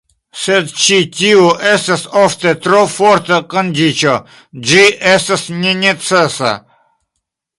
Sed ĉi tiu estas ofte tro forta kondiĉo, ĝi estas ne "necesa".